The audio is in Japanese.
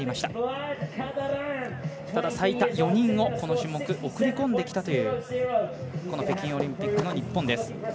ただ、最多４人をこの種目、送り込んできたというこの北京オリンピックの日本です。